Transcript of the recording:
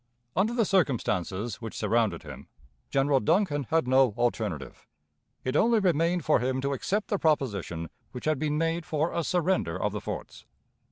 Under the circumstances which surrounded him, General Duncan had no alternative. It only remained for him to accept the proposition which had been made for a surrender of the forts.